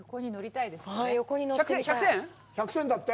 １００点だって。